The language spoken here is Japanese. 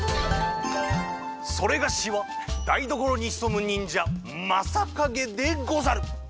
それがしはだいどころにひそむにんじゃマサカゲでござる！